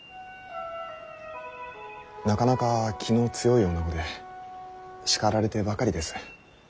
なかなか気の強い女子で叱られてばかりです。